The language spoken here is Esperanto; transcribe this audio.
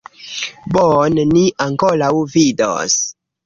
Bone, ni ankoraŭ vidos!